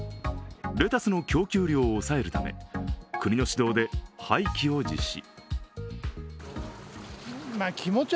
レタスの供給量を抑えるため、国の指導で廃棄を実施。